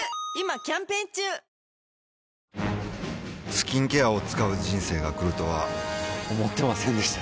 スキンケアを使う人生が来るとは思ってませんでした